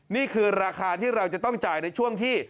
นี่คือราคาที่เราจะต้องจ่ายในช่วงที่